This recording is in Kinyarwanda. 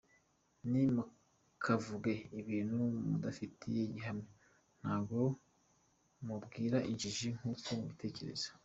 nti mukavuge ibintu mudafitiye gihamya, ntago mubwira injiji nkuko mubitekereza !.